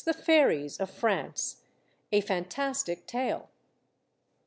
THE FAIRIES OF FRANCE. A FANTASTIC TALE.